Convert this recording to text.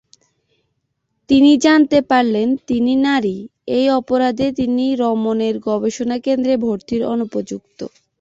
তিনি জানতে পারলেন তিনি নারী, এই অপরাধে তিনি রমন এর গবেষণা কেন্দ্রে ভর্তির অনুপযুক্ত।